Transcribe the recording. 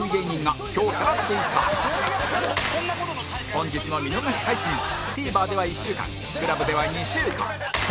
本日の見逃し配信も ＴＶｅｒ では１週間 ＣＬＵＢ では２週間